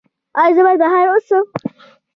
ایا زه باید بهر اوسم؟